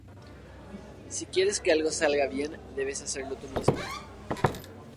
Si quieres que algo salga bien, debes hacerlo tú mismo